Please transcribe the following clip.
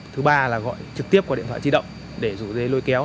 thứ ba là gọi trực tiếp qua điện thoại di động để rủ dê lôi kéo